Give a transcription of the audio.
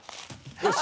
よし。